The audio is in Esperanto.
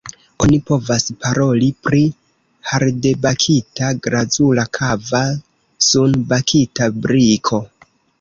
Oni povas paroli pri hardebakita, glazura, kava, sunbakita briko.